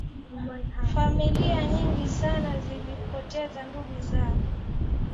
familia nyingi sana zilipoteza ndugu zao